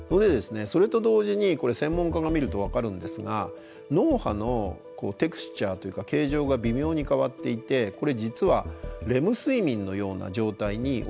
それと同時に専門家が見ると分かるんですが脳波のテクスチャーというか形状が微妙に変わっていてこれ実はレム睡眠のような状態に陥ってると。